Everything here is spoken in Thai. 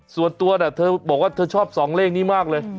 ส่วนตัวเธอบอกว่าเธอชอบ๒เลขนี้มากเลย